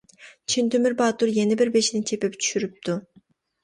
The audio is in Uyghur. چىن تۆمۈر باتۇر يەنە بىر بېشىنى چېپىپ چۈشۈرۈپتۇ.